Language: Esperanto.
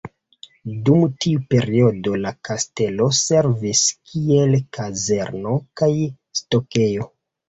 Dum tiu periodo la kastelo servis kiel kazerno kaj stokejo.